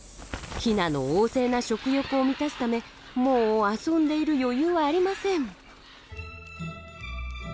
ヒナのおうせいな食欲を満たすためもう遊んでいる余裕はありません。